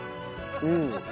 うん。